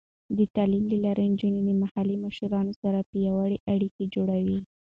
د تعلیم له لارې، نجونې د محلي مشرانو سره پیاوړې اړیکې جوړوي.